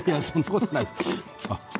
そんなことないです。